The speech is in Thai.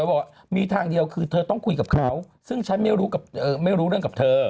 บอกว่ามีทางเดียวคือเธอต้องคุยกับเขาซึ่งฉันไม่รู้เรื่องกับเธอ